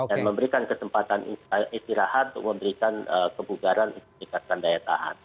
dan memberikan kesempatan istirahat untuk memberikan kebugaran dan meningkatkan daya tahan